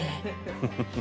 フフフッ。